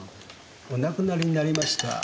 お亡くなりになりました。